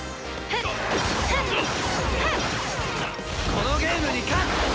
このゲームに勝つ！